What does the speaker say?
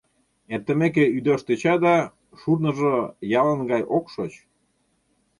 Эртымеке ӱдаш тӧча да, шурныжо ялын гай ок шоч.